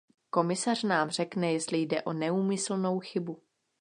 Komisař nám řekne, jestli jde o neúmyslnou chybu.